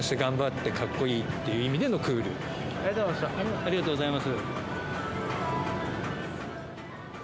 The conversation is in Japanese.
ありがとうございます。